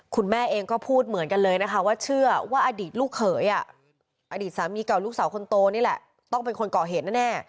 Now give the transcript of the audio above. คุณแม่เองก็พูดเหมือนกันเลยนะคะว่าเชื่อว่าอดีตลูกเขยอดีตสามีเก่าลูกสาวคนโตนี่แหละต้องเป็นคนก่อเหตุแน่